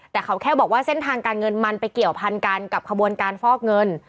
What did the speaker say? แต่เขาแค่บอกว่าเส้นทางการเงินมันไปเกี่ยวพันกันกับขบวนการฟอกเงิน